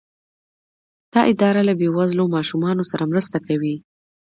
دا اداره له بې وزلو ماشومانو سره مرسته کوي.